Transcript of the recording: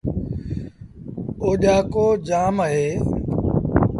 اوڄآڪو جآم اهي۔